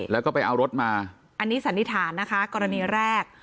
แล้วก็ไปเอารถมาอันนี้สันนิษฐานนะคะกรณีแรก